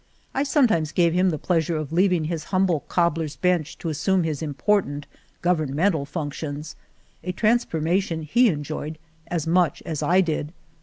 I sometimes gave him the pleasure of leaving his humble cobbler's bench to assume his im portant governmental functions — a trans formation he enjoyed as much as I did.